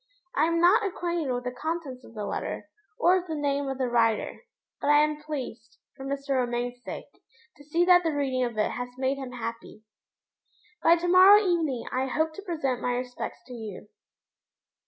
I am not acquainted with the contents of the letter, or with the name of the writer; but I am pleased, for Mr. Romayne's sake, to see that the reading of it has made him happy. By to morrow evening I hope to present my respects to you.